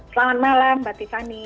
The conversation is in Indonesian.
selamat malam mbak tiffany